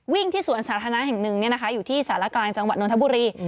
ที่สวนสาธารณะแห่งหนึ่งอยู่ที่สารกลางจังหวัดนทบุรี